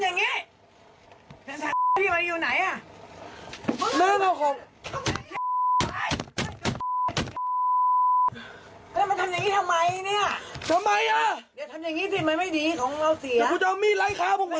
นี่ไร้ข้าวพวกมึงเดี๋ยวมึงตาย